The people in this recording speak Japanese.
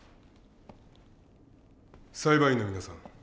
裁判員の皆さん。